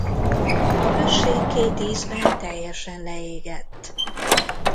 A község két izben teljesen leégett.